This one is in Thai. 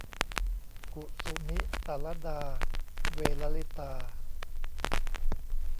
กุสุมิตลดาเวลลิตา